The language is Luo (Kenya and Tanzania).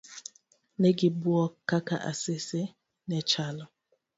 Negibuok kaka Asisi nechalo.